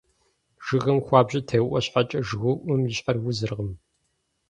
Жыгым хуабжьу теуIуэ щхьэкIэ, жыгыуIум и щхьэр узыркъым.